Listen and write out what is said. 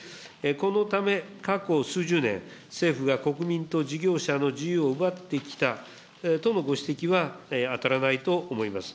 このため、過去数十年、政府が国民と事業者の自由を奪ってきたとのご指摘は、当たらないと思います。